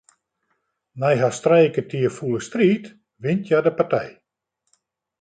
Nei hast trije kertier fûle striid wint hja de partij.